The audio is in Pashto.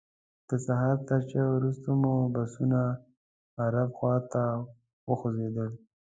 د سهار تر چایو وروسته مو بسونه غرب خواته وخوځېدل.